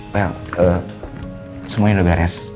poyang semuanya udah beres